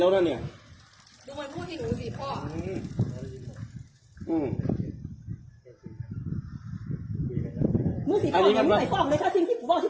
มึงสิผมป์มาอย่างงั้นไม่ให้ป้องเลย